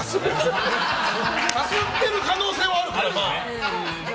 かすってる可能性はあるから！